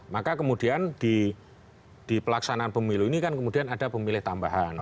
maka kemudian di pelaksanaan pemilu ini kan kemudian ada pemilih tambahan